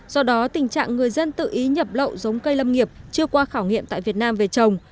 do đó tình trạng người dân tự ý nhập lậu giống cây lâm nghiệp chưa qua khảo nghiệm tại việt nam về trồng